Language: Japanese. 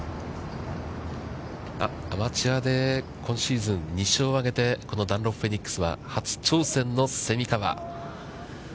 アマチュアで今シーズン、２勝を挙げて、このダンロップフェニックスは初挑戦の蝉川。